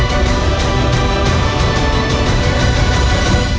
ภาพคลาดเด็กขาด